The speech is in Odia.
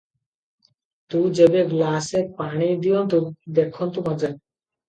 ତୁ ଯେବେ ଗ୍ଲାସେ ଟାଣି ଦିଅନ୍ତୁ, ଦେଖନ୍ତୁ ମଜା!